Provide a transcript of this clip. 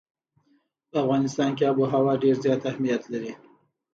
په افغانستان کې آب وهوا ډېر زیات اهمیت لري.